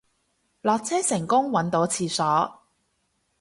落車成功搵到廁所